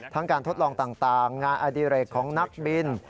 การทดลองต่างงานอดิเรกของนักบิน